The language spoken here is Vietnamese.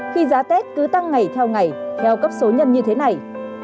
khi giá tết cứ tăng ngày theo ngày theo cấp số nhân như thế này